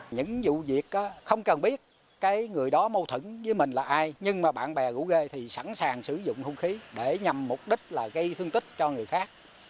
những vụ việc không cần biết cái người đó mâu thẫn với mình là ai nhưng mà bạn bè gũ ghê thì sẵn sàng sử dụng hung khí để nhằm mục đích là gây thương tích cho người khác